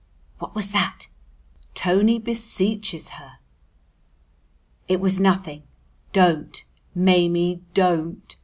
what was that?" Tony beseeches her! "It was nothing don't, Maimie, don't!"